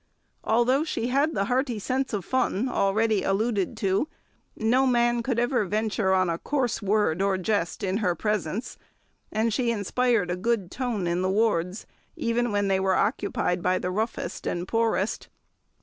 Although she had the hearty sense of fun already alluded to, no man could ever venture on a coarse word or jest in her presence, and she inspired a good "tone" in the wards even when they were occupied by the roughest and poorest.